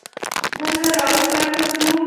موږ هره ورځ کار ته ځو.